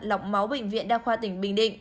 lọc máu bệnh viện đa khoa tỉnh bình định